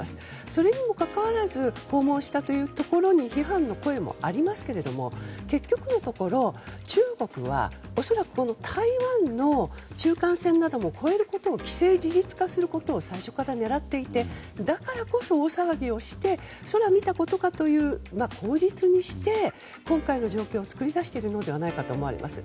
それにもかかわらず訪問したというところに批判の声もありますけれども結局のところ中国は恐らく台湾の中間線なども越えることも既成事実化することを最初から狙っていてだからこそ大騒ぎをしてそら見たことかという口実にして今回の状況を作り出しているのではないかと思われます。